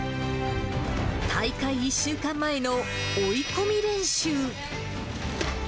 大会１週間前の追い込み練習。